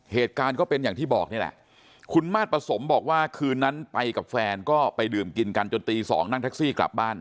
เหตุการณ์ก็เป็นอย่างที่บอกนี่แหละคุณมาสประสมบอกว่าคืนนั้นไปกับแฟนก็ไปดื่มกินกันจนตี๒นั่งแท็กซี่กลับบ้าน